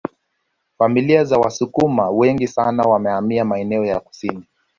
Familia za Wasukuma wengi sana wamehamia maeneo ya kusini